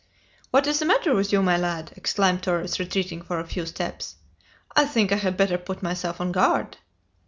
"What is the matter with you, my lad?" exclaimed Torres, retreating for a few steps. "I think I had better put myself on guard."